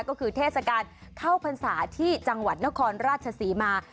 ก็คือเทศกาลเข้าพรรษาที่จังหวัดนครราชศรีมา